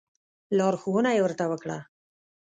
لارښوونه یې ورته وکړه.